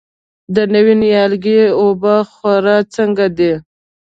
د نوي نیالګي اوبه خور څنګه دی؟